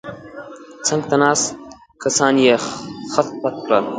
څنګ ته ناست کسان یې خت پت کړل.